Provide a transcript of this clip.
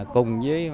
cùng với một số đơn vị